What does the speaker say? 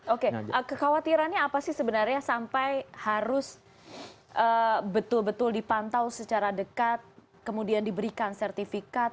oke kekhawatirannya apa sih sebenarnya sampai harus betul betul dipantau secara dekat kemudian diberikan sertifikat